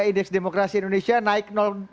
indeks demokrasi indonesia naik dua puluh delapan